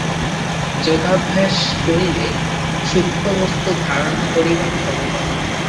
যোগাভ্যাস করিলে সূক্ষ্ম বস্তু ধারণা করিবার ক্ষমতা হয়।